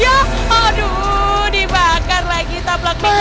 ya aduh dibakar lagi tak laku laku